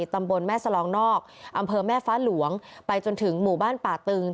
ตำบลแม่สลองนอกอำเภอแม่ฟ้าหลวงไปจนถึงหมู่บ้านป่าตึง